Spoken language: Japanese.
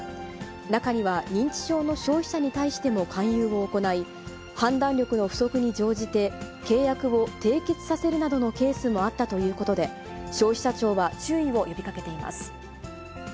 中には、認知症の消費者に対しても勧誘を行い、判断力の不足に乗じて、契約を締結させるなどのケースもあったということで、消費者庁は注意を呼びかけています。